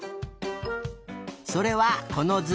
それはこのず。